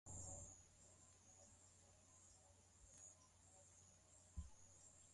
Castro pia alimiliki vyombo vikubwa vya habari nchini Cuba na